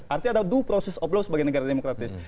artinya ada dua proses of law sebagai negara demokratis